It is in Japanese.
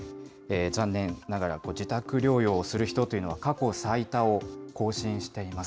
残念ながら、自宅療養をする人というのは過去最多を更新しています。